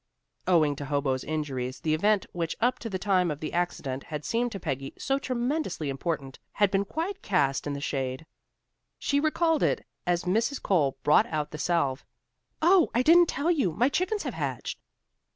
Owing to Hobo's injuries, the event which up to the time of the accident had seemed to Peggy so tremendously important, had been quite cast in the shade. She recalled it as Mrs. Cole brought out the salve. "Oh, I didn't tell you. My chickens have hatched."